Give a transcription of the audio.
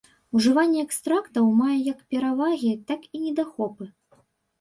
Ужыванне экстрактаў мае як перавагі, так і недахопы.